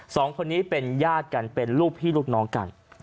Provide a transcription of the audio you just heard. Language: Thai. สองคนนี้เป็นญาติกันเป็นลูกพี่ลูกน้องกัน